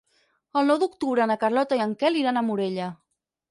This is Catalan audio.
El nou d'octubre na Carlota i en Quel iran a Morella.